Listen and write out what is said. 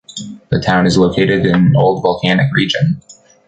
The town is located in an old volcanic region.